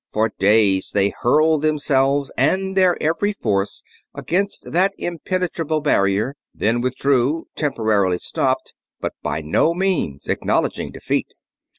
For days they hurled themselves and their every force against that impenetrable barrier, then withdrew: temporarily stopped, but by no means acknowledging defeat.